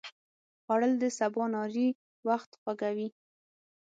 خوړل د سباناري وخت خوږوي